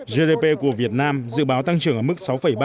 gdp của việt nam dự báo tăng trưởng ở mức sáu ba